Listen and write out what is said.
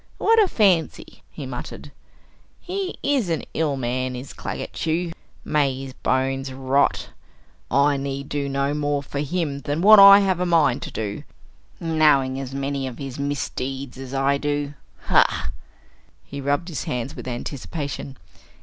What a fancy!" he muttered. "He is an ill man, is Claggett Chew. May his bones rot! I need do no more for him than what I have a mind to, knowing as many of his misdeeds as I do. Hah!" He rubbed his hands with anticipation.